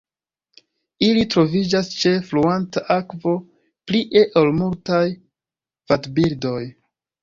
Ili troviĝas ĉe fluanta akvo plie ol multaj vadbirdoj.